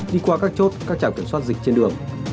đi qua các chốt các trảng kiểm soát dịch trên đường